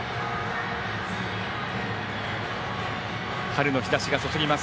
春の日ざしが注ぎます